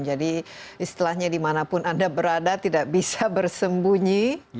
jadi istilahnya dimanapun anda berada tidak bisa bersembunyi